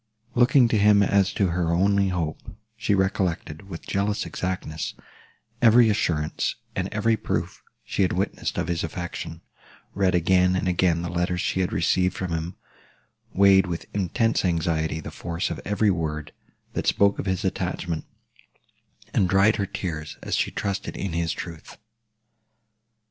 Looking to him as to her only hope, she recollected, with jealous exactness, every assurance and every proof she had witnessed of his affection; read again and again the letters she had received from him; weighed, with intense anxiety, the force of every word, that spoke of his attachment; and dried her tears, as she trusted in his truth.